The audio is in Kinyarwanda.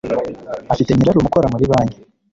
Afite nyirarume ukora muri banki.